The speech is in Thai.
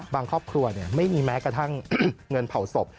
ครอบครัวไม่มีแม้กระทั่งเงินเผาศพ